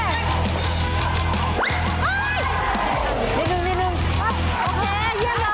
อีกแล้วนิดเดียวนิดเดียว